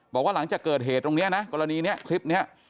บอกว่าหลังจากเกิดเหตุตรงนี้นะกรณีนี้คลิปนี้